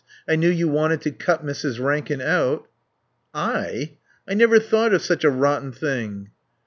I knew you wanted to cut Mrs. Rankin out." "I? I never thought of such a rotten thing."